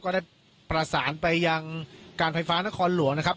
ก็ได้ประสานไปยังการไฟฟ้านครหลวงนะครับ